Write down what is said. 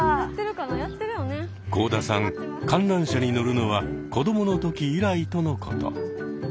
幸田さん観覧車に乗るのは子どもの時以来とのこと。